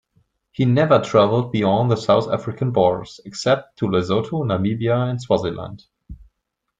He never travelled beyond the South African borders, except to Lesotho, Namibia and Swaziland.